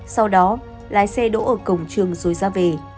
sau đó lái xe đỗ ở cổng trường rồi ra về